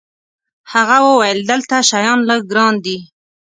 هغه وویل: دلته شیان لږ ګران دي.